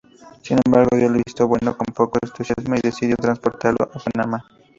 Sin embargo, dio el visto bueno con poco entusiasmo y decidió transportarlo a Panamá.